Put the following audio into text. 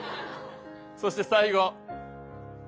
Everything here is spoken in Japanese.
そして最後。